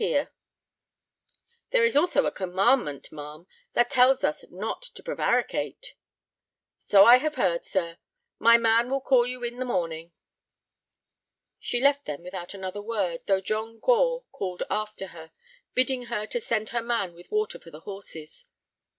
"There is also a commandment, ma'am, that tells us not to prevaricate." "So I have heard, sir. My man will call you in the morning." She left them without another word, though John Gore called after her, bidding her to send her man with water for the horses.